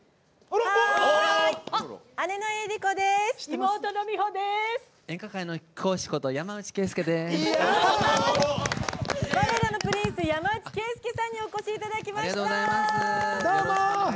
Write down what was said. われらのプリンス山内惠介さんにお越しいただきました。